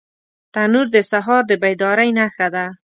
تنور د سهار د بیدارۍ نښه ده